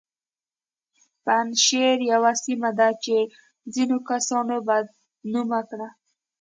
پنجشیر یوه سیمه ده چې ځینو کسانو بد نومه کړه